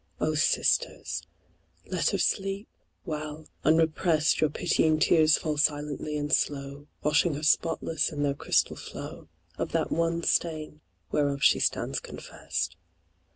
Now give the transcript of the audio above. O sisters, let her sleep ! while unrepressed Your pitying tears fall silently and slow, Washing her spotless, in their crystal flow, Of that one stain whereof she stands confessed.